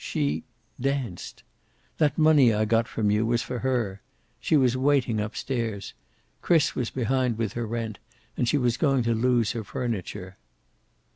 She danced. That money I got from you was for her. She was waiting, up stairs. Chris was behind with her rent, and she was going to lose her furniture."